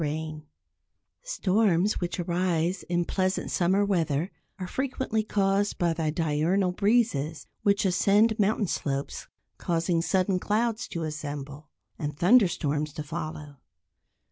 Rain from low nimbus clouds] Storms which arise in pleasant summer weather are frequently caused by the diurnal breezes which ascend mountain slopes causing sudden clouds to assemble, and thunder storms to follow.